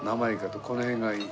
この辺がいい。